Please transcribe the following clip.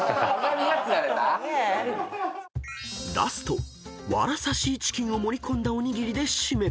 ［ラストわらさシーチキンを盛り込んだおにぎりで締め］